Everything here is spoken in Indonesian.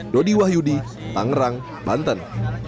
dodi wahyudi tanggerang banten